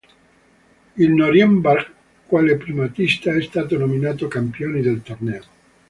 Il Norimberga, quale primatista, è stato nominato campione del torneo.